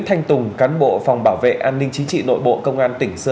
đây cho bố nhìn rõ hai con trai nhé